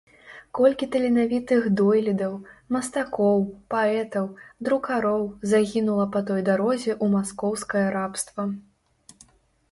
Колькі таленавітых дойлідаў, мастакоў, паэтаў, друкароў загінула па той дарозе ў маскоўскае рабства!